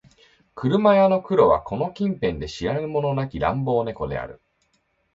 車屋の黒はこの近辺で知らぬ者なき乱暴猫である